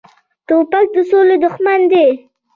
توپک د سولې دښمن دی.